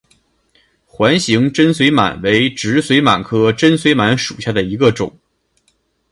环形真绥螨为植绥螨科真绥螨属下的一个种。